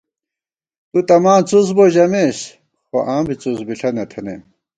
تُو تہ ماں څُس بؤ ژمېس، خو آں بی څُس بِݪہ نہ تھنَئیم